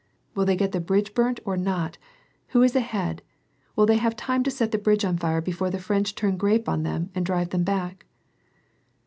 " Will they get the bridge burnt, or not ? Who is ahead ? Will they have time to set the bridge on lire before the French turn grape on them and drive them back